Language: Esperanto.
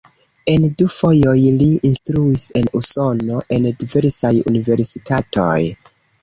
En du fojoj li instruis en Usono en diversaj universitatoj.